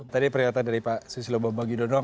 tadi pernyataan dari pak susilo bambang yudhoyono